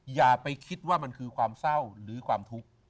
อย่าไปคิดว่ามันคือความเศร้าหรือความทุกข์